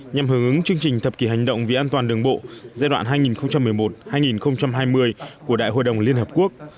nhằm hướng ứng chương trình thập kỷ hành động vì an toàn đường bộ giai đoạn hai nghìn một mươi một hai nghìn hai mươi của đại hội đồng liên hợp quốc